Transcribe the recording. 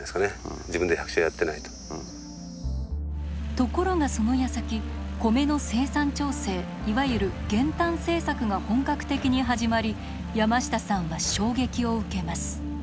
ところがそのやさき米の生産調整いわゆる減反政策が本格的に始まり山下さんは衝撃を受けます。